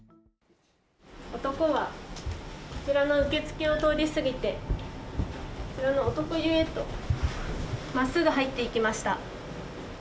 男はこちらの受け付けを通り過ぎてこちらの男湯へと真っすぐ入っていきました。